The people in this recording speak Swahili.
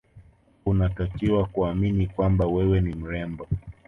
unatakiwa kuamini kwamba wewe ni mrembo